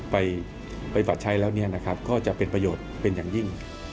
ไปปรับใช้แล้วเนี่ยนะครับก็จะเป็นประโยชน์เป็นอย่างยิ่ง